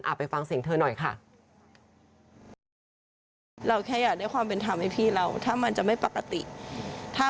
ไปฟังเสียงเธอหน่อยค่ะ